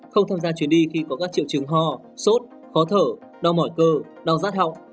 không tham gia chuyến đi khi có các triệu chứng ho sốt khó thở đau mỏi cơ đau rát họng